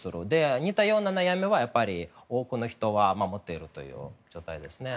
似たような悩みは多くの人は持っているという状態ですね。